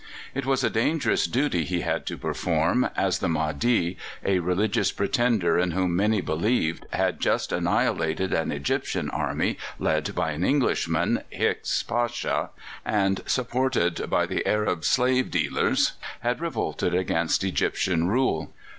It was a dangerous duty he had to perform, as the Mahdi, a religious pretender in whom many believed, had just annihilated an Egyptian army led by an Englishman, Hicks Pasha, and, supported by the Arab slave dealers, had revolted against Egyptian rule.